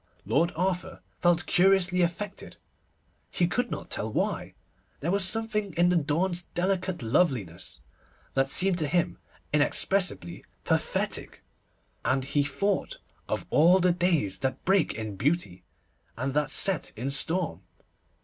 Lord Arthur felt curiously affected, he could not tell why. There was something in the dawn's delicate loveliness that seemed to him inexpressibly pathetic, and he thought of all the days that break in beauty, and that set in storm.